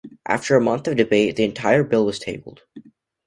After a month of debate, the entire bill was tabled.